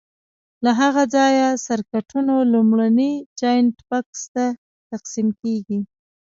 له هغه ځایه سرکټونو لومړني جاینټ بکس ته تقسیم کېږي.